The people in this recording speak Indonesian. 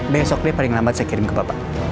besoknya paling lambat saya kirim ke bapak